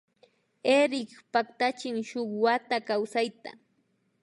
Erik paktachin shun wata kawsayta